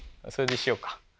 それにしようか。